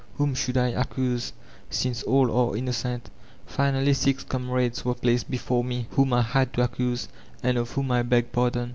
Whom should I accuse since all are innocent? Finally six comrades were placed before me» whom I had to accuse, and of whom I beg pardon.